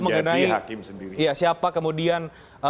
mengenai siapa kemudian